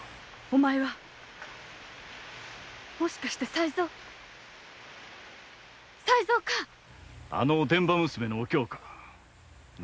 お前はもしかして才三⁉才三かオテンバ娘のお京か。